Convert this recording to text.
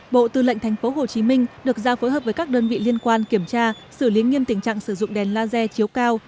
bộ tư lệnh tp hcm được ra phối hợp với các đơn vị liên quan kiểm tra xử lý nghiêm tình trạng sử dụng đèn laser chiếu cao